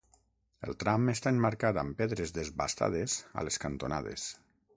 El tram està emmarcat amb pedres desbastades a les cantonades.